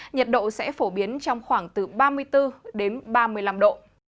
nhiệt độ sẽ phổ biến trong khoảng từ ba mươi bốn ba mươi năm độ